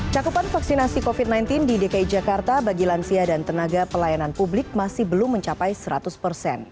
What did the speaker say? cakupan vaksinasi covid sembilan belas di dki jakarta bagi lansia dan tenaga pelayanan publik masih belum mencapai seratus persen